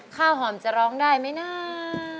ข้าวหอมจะร้องได้ไหมนะ